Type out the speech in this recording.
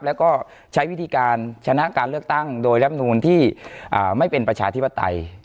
แล้วก็ใช้วิธีการชนะการเลือกตั้งโดยรับนูลที่ไม่เป็นประชาธิปไตย